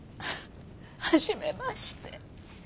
初めまして。